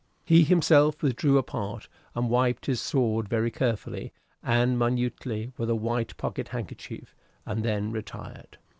He himself withdrew apart and wiped his sword very carefully and minutely with a white pocket handkerchief, and then retired.